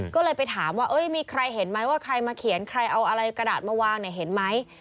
ก็เลยไปถามว่ามีใครเห็นไหมว่าใครมาเขียนใครเอาอะไรกระดาษมาวางเนี่ยเห็นไหม